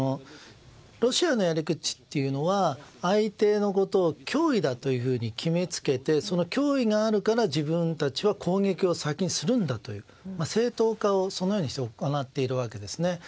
ロシアのやり口というのは相手のことを脅威だというふうに決めつけてその脅威があるから自分たちは攻撃を先にするんだという正当化をそのようにして行っているわけですね。